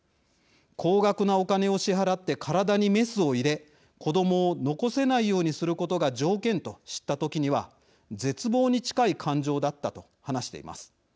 高額なお金を支払って身体にメスを入れ、子どもを残せないようにすることが条件と知った時には絶望に近い感情だったと話しています。